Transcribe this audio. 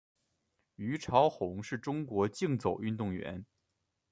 虞朝鸿是中国竞走运动员。